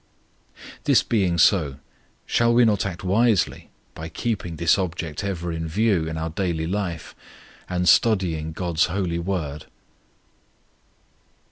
This being so, shall we not act wisely by keeping this object ever in view in our daily life and study of GOD'S holy Word?